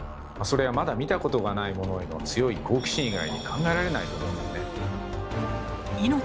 それはまだ見たことがないものへの強い好奇心以外に考えられないと思うんですね。